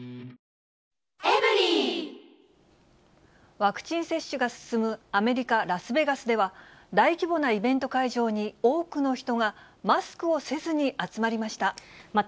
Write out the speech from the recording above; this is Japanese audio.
ワクチン接種が進むアメリカ・ラスベガスでは、大規模なイベント会場に多くの人が、マスクをせずに集まりました。